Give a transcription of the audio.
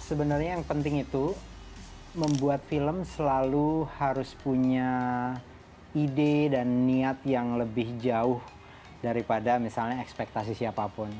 sebenarnya yang penting itu membuat film selalu harus punya ide dan niat yang lebih jauh daripada misalnya ekspektasi siapapun